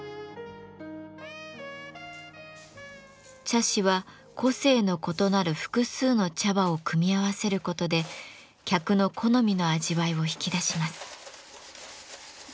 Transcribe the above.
茶師は個性の異なる複数の茶葉を組み合わせることで客の好みの味わいを引き出します。